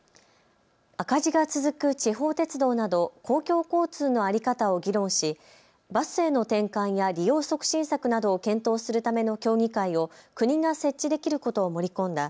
赤字が続く地方鉄道など公共交通の在り方を議論しバスへの転換や利用促進策などを検討するための協議会を国が設置できることを盛り込んだ